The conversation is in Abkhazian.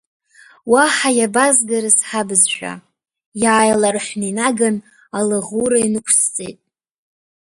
Уаҳа иабазгарыз ҳабызшәа, иааиларҳәны инаган алыӷура иныкусҵеит…